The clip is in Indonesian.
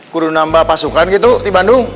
guru nambah pasukan gitu di bandung